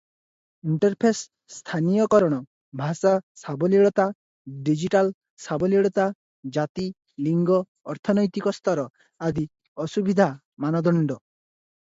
Interface ସ୍ଥାନୀୟକରଣ, ଭାଷା ସାବଲୀଳତା, digital ସାବଲୀଳତା, ଜାତି, ଲିଙ୍ଗ, ଅର୍ଥନୈତିକ ସ୍ତର ଆଦି ଅସୁବିଧା ମାନଦଣ୍ଡ ।